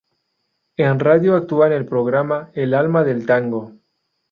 En radio actúa en el programa "El alma del tango".